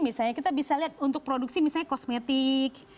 misalnya kita bisa lihat untuk produksi misalnya kosmetik